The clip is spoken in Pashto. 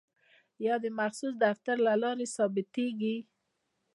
یا د مخصوص دفتر له لارې ثبتیږي.